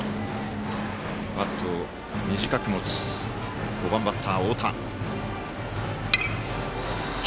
バットを短く持つ５番バッター、太田。